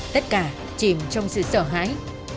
tất cả chìm trong sự sợ hãi